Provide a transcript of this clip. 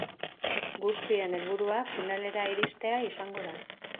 Guztien helburua finalera iristea izango da.